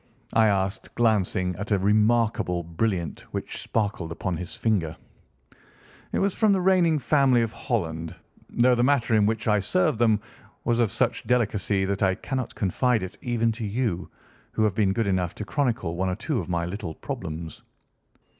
I asked, glancing at a remarkable brilliant which sparkled upon his finger. "It was from the reigning family of Holland, though the matter in which I served them was of such delicacy that I cannot confide it even to you, who have been good enough to chronicle one or two of my little problems."